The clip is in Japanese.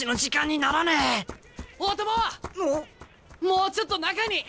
もうちょっと中に！